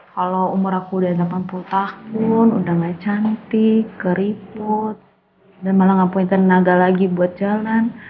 kalau umur aku udah delapan puluh tahun udah gak cantik keriput dan malah ngapuin tenaga lagi buat jalan